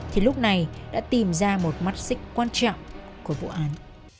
thì lúc này đã tìm ra một mắt xích quan trọng của vụ án